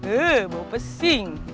eh mau pesing